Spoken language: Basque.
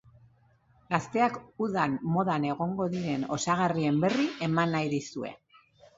Gazteak udan modan egongo diren osagarrien berri eman nahi dizue.